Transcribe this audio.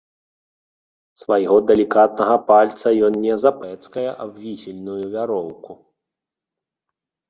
Свайго далікатнага пальца ён не запэцкае аб вісельную вяроўку.